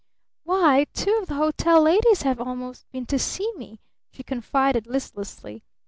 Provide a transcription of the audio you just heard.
"Why two of the hotel ladies have almost been to see me," she confided listlessly.